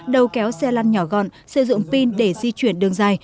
đầu kéo xe lăn nhỏ gọn sử dụng pin để di chuyển đường dài